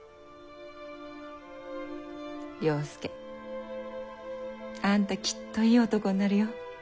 了助あんたきっといい男になるよ。